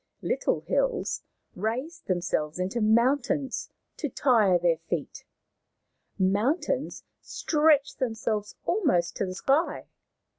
Little hills raised themselves into mountains to tire their feet, mountains stretched themselves almost to the sky.